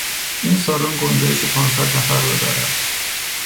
این سالن گنجایش پانصد نفر را دارد.